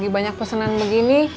banyak pesanan begini